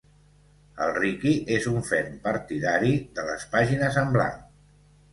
El Riqui és un ferm partidari de les pàgines en blanc.